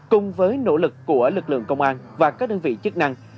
cùng với nỗ lực của lực lượng công an và các đơn vị chức năng